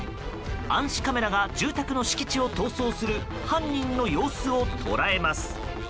暗視カメラが住宅の敷地を逃走する犯人の様子を捉えます。